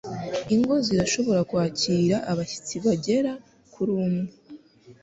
Ingo zirashobora kwakira abashyitsi bagera kuri umwe